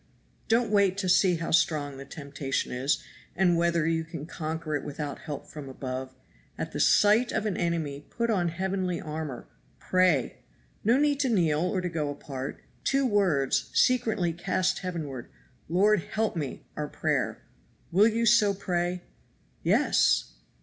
Don't wait to see how strong the temptation is, and whether you can't conquer it without help from above. At the sight of an enemy put on heavenly armor pray! No need to kneel or to go apart. Two words secretly cast heavenward, 'Lord, help me,' are prayer. Will you so pray?" "Yes!"